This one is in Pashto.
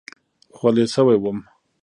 خولې شوی وم.